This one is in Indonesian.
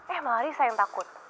eh malah risa yang takut